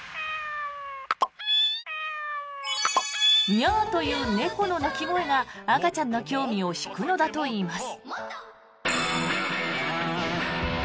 ニャオという猫の鳴き声が赤ちゃんの興味を引くのだといいます。